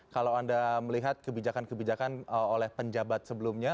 kalau anda melihat kebijakan kebijakan oleh penjabat sebelumnya